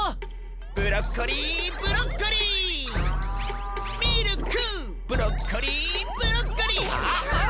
ブロッコリーブロッコリーミルクブロッコリーブロッコリーああ。